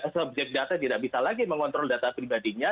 subjek data tidak bisa lagi mengontrol data pribadinya